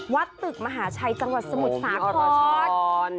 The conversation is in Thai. วัดตึกมหาชัยจังหวัดสมุทรสาคร